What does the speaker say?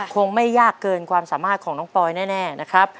คงไม่ยากเกินความสามารถของน้องปอยแน่นะครับ